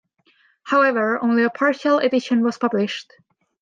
However, only a partial edition was published.